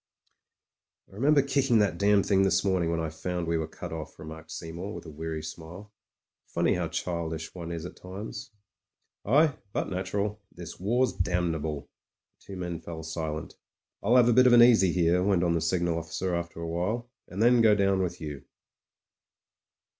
"I remember kicking that damn thing this morn ing when I found we were cut oflf," remarked Seymour, with a weary smile. "Funny how childish one is at times." "Aye — but natural. This war's damnable." The 74 MEN, WOMEN AND GUNS two men fell silent. "I'll have a bit of an easy here," went on the signal officer after a while, "and then go down with you."